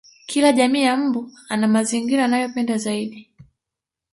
Kila jamii ya mbu ana mazingira anayoyapenda zaidi